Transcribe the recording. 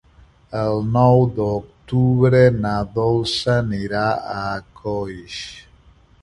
El nou d'octubre na Dolça anirà a Coix.